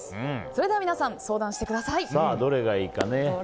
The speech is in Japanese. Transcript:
それでは皆さん相談してください。